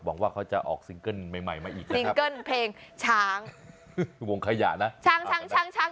หวังว่าเขาจะออกซิงเกิลใหม่ใหม่มาอีกนะครับซิงเกิลเพลงช้างวงขยะนะ